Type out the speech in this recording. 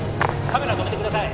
「カメラを止めてください」